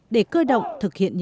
để cơ động thực hiện